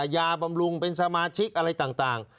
บำรุงเป็นสมาชิกอะไรต่าง